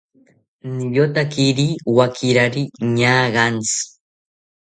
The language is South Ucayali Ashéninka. Niyotakiri wakirari ñaagantzi